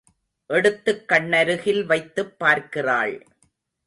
எடுத்துக் கண்ணருகில் வைத்துப் பார்க்கிறாள்.